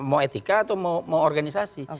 mau etika atau mau organisasi